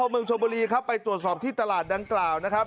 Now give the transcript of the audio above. เมืองชมบุรีครับไปตรวจสอบที่ตลาดดังกล่าวนะครับ